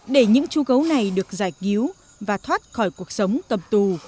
để những chú gấu này được giải cứu và thoát khỏi cuộc sống tập tù